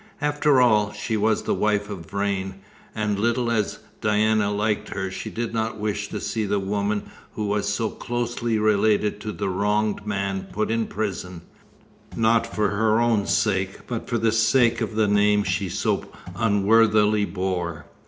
After all, she was the wife of Vrain, and little as Diana liked her, she did not wish to see the woman who was so closely related to the wronged man put in prison; not for her own sake, but for the sake of the name she so unworthily bore.